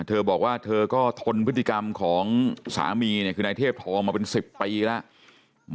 เธอบอกว่าเธอก็ทนพฤติกรรมของสามีเนี่ยคือนายเทพทองมาเป็น๑๐ปีแล้ว